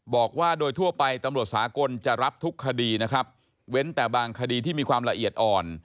บอกว่าโดยทั่วไปตำรวจสากลจะรับทุกคดีนะครับเว้นแต่บางคดีที่มีความละเอียดอ่อน